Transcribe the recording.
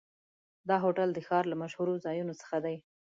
دا هوټل د ښار له مشهورو ځایونو څخه دی.